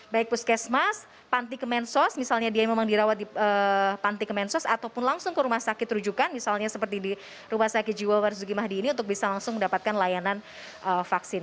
baik puskesmas panti kemensos misalnya dia yang memang dirawat di panti kemensos ataupun langsung ke rumah sakit rujukan misalnya seperti di rumah sakit jiwa marzuki mahdi ini untuk bisa langsung mendapatkan layanan vaksin